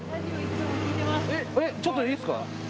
えっちょっといいっすか？